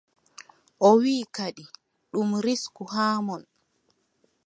O wiʼi kadi ɗum risku haa mon.